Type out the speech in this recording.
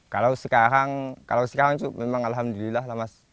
kalau sekarang memang alhamdulillah mas